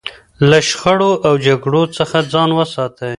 له شخړو او جګړو څخه ځان وساتئ.